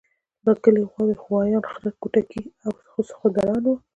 د کلي غواوې، غوایان، خره کوټکي او سخوندران وو.